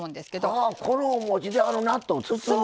ああこのおもちであの納豆包む。